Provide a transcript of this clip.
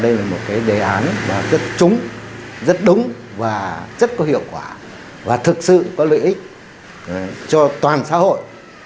đây là một cái đề án rất trúng rất đúng và rất có hiệu quả và thực sự có lợi ích cho toàn xã hội